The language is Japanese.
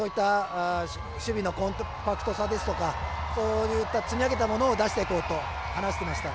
守備のコンパクトさですとかそういった積み上げたものを出していこうと話していました。